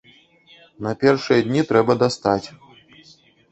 На першыя дні трэба дастаць.